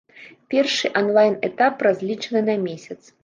Першы анлайн-этап разлічаны на месяц.